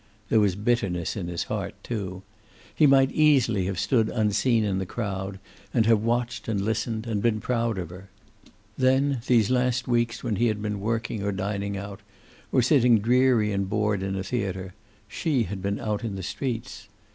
There was bitterness in his heart, too. He might easily have stood unseen in the crowd, and have watched and listened and been proud of her. Then, these last weeks, when he had been working, or dining out, or sitting dreary and bored in a theater, she had been out in the streets.